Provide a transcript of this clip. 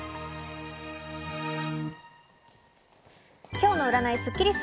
今日の占いスッキリす。